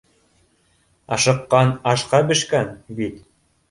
Ашыҡҡан — ашҡа бешкән, бит.